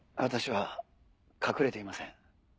私は隠れていません。